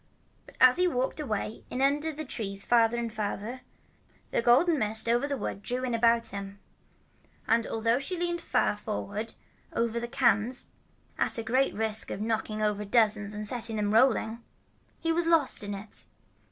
But as he walked away in under the trees farther and farther, the golden mist that was over the wood drew in about him; and although she leaned far forward over the cans at a great risk of knocking over dozens and setting them rolling, he was lost in it.